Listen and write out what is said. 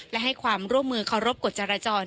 และให้ความร่วมมือเคารพกฎจรจร